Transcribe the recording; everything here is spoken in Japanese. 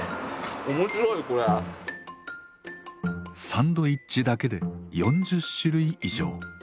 サンドイッチだけで４０種類以上。